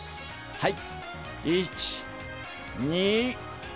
はい！